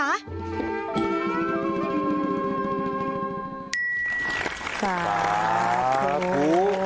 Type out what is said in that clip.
สาธุสาธุ